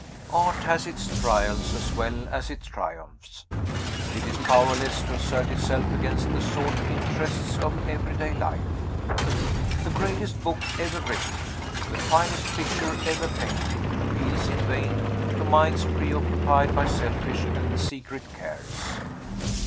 ART has its trials as well as its triumphs. It is powerless to assert itself against the sordid interests of everyday life. The greatest book ever written, the finest picture ever painted, appeals in vain to minds preoccupied by selfish and secret cares.